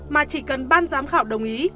mà chỉ cần ban giám khảo đồng ý